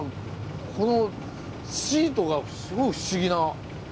このシートがすごい不思議な。